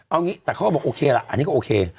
เอางี้แต่เขาก็บอกโอเคละอันนี้ก็โอเค